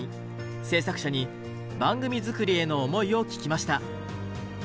制作者に番組作りへの思いを聞きました。